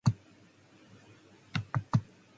Ritu Varma is charming and effective.